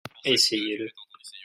Essayez-le.